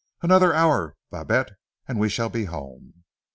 "Another hour, Babette, and we shall be home."